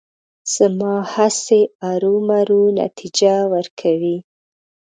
زما هڅې ارومرو نتیجه ورکوي.